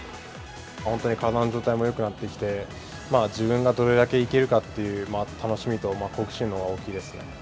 本当に体の状態もよくなってきて、自分がどれだけいけるかっていう楽しみと好奇心のほうが大きいですね。